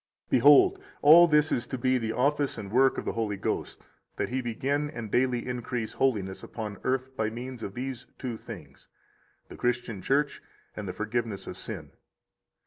59 Behold, all this is to be the office and work of the Holy Ghost, that He begin and daily increase holiness upon earth by means of these two things, the Christian Church and the forgiveness of sin.